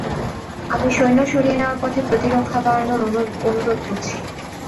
আমি সৈন্য সরিয়ে নেওয়ার পথে প্রতিরক্ষা বাড়ানোর অনুরোধ করছি।